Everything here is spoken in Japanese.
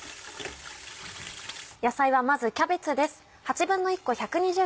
野菜はまずキャベツです。